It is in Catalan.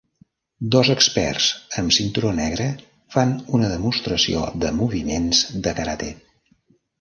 Dos experts amb cinturó negre fan una demostració de moviments de karate.